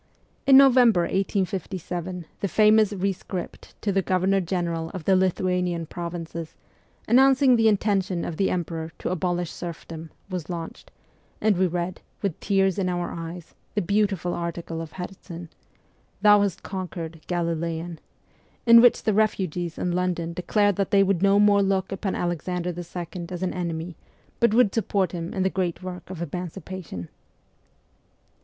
In November 1857 the famous ' rescript ' to the Governor General of the Lithuanian provinces, announcing the intention of the emperor to abolish serfdom, was launched, and we read, with tears in our eyes, the beautiful article of Herzen, ' Thou hast conquered, Galilean,' in which the refugees in London declared that they would no more look upon Alexander II. as an enemy, but would support him in the great work of emancipation.